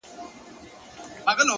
گراني ددې وطن په ورځ كي توره شپـه راځي؛